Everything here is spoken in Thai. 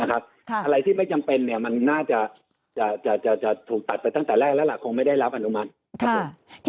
อะไรที่ไม่จำเป็นมันน่าจะถูกตัดไปตั้งแต่แรกแล้วล่ะคงไม่ได้รับอนุมัติครับผม